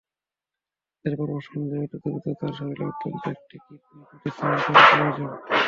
ডাক্তারের পরামর্শ অনুযায়ী অতি দ্রুত তার শরীরে অন্তত একটি কিডনি প্রতিস্থাপন করা প্রয়োজন।